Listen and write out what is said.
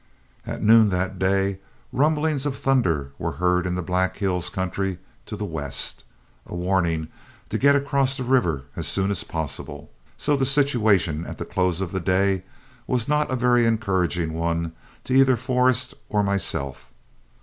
At noon that day, rumblings of thunder were heard in the Black Hills country to the west, a warning to get across the river as soon as possible. So the situation at the close of the day was not a very encouraging one to either Forrest or myself.